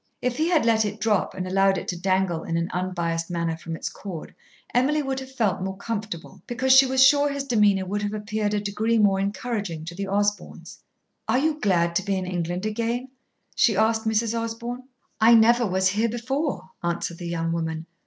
If he had let it drop and allowed it to dangle in an unbiassed manner from its cord, Emily would have felt more comfortable, because she was sure his demeanour would have appeared a degree more encouraging to the Osborns. "Are you glad to be in England again?" she asked Mrs. Osborn. "I never was here before," answered the young woman.